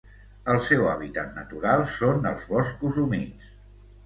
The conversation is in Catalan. El seu hàbitat natural són els boscos humits.